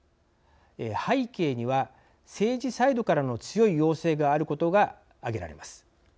背景には政治サイドからの強い要請があることが挙げられます。